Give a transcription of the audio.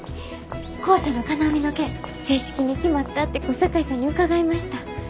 校舎の金網の件正式に決まったって小堺さんに伺いました。